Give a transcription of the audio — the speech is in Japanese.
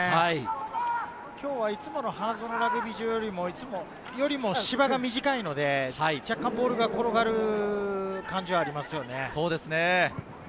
今日はいつもの花園ラグビー場よりも、芝が短いので若干、ボールが転がる感じはありますよね。